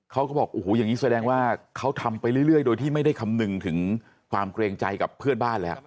เขาก็บอกโอ้โหอย่างนี้แสดงว่าเขาทำไปเรื่อยโดยที่ไม่ได้คำนึงถึงความเกรงใจกับเพื่อนบ้านแล้ว